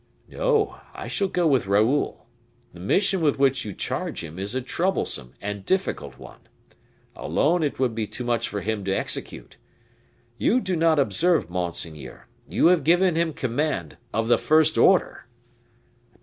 "No, I shall go with Raoul; the mission with which you charge him is a troublesome and difficult one. Alone it would be too much for him to execute. You do not observe, monseigneur, you have given him command of the first order."